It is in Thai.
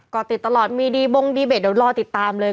ก็ติดตลอดมีดีบงดีเบตเดี๋ยวรอติดตามเลย